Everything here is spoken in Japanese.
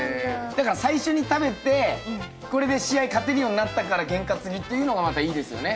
最初に食べてこれで試合勝てるようになったから験担ぎっていうのがまたいいですよね。